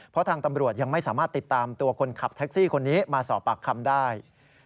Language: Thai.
เพราะทางตำรวจยังไม่สามารถติดตามตัวคนขับแท็กซี่คนนี้มาสอบปากคำได้